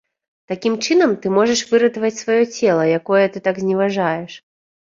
Такім чынам ты можаш выратаваць сваё цела, якое ты так зневажаеш.